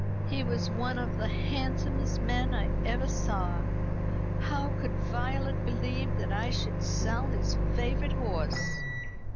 He was one of the handsomest men I ever saw. How could Violet believe that I should sell his favourite horse?"